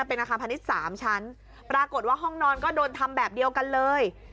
เป็นอาคารพาณิชย์๓ชั้นปรากฏว่าห้องนอนก็โดนทำแบบเดียวกันเลย